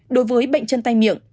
đối với bệnh chân tay miệng